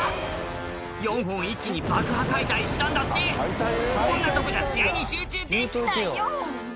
４本一気に爆破解体したんだってこんなとこじゃ試合に集中できないよ